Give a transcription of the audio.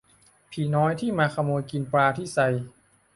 ผีน้อยที่มาขโมยกินปลาที่ไซ